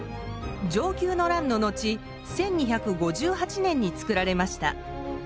承久の乱の後１２５８年に作られました。